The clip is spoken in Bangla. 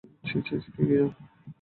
ছি ছি, কী ঘৃণা।